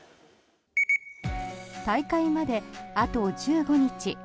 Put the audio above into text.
大会まであと１５日。